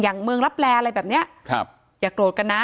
เมืองลับแลอะไรแบบเนี้ยครับอย่าโกรธกันนะ